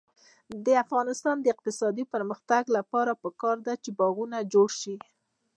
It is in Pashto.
د افغانستان د اقتصادي پرمختګ لپاره پکار ده چې باغونه جوړ شي.